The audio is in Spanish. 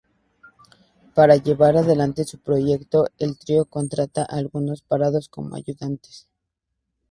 Para llevar adelante su proyecto, el trío contrata algunos parados como ayudantes.